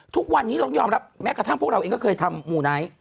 ทุกวันนี้เรายอมรับแม้กระทั่งพวกเราเองก็เคยทำมูไนท์